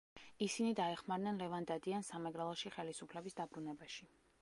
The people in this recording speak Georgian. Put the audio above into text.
ისინი დაეხმარნენ ლევან დადიანს სამეგრელოში ხელისუფლების დაბრუნებაში.